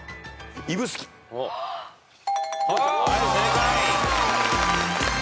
はい正解。